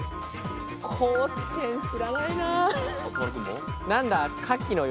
高知県、知らないなぁ。